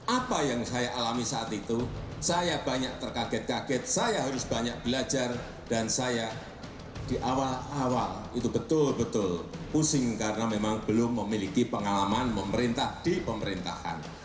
apa yang saya alami saat itu saya banyak terkaget kaget saya harus banyak belajar dan saya di awal awal itu betul betul pusing karena memang belum memiliki pengalaman memerintah di pemerintahan